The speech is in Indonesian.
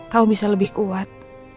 kamu bisa lebih kuat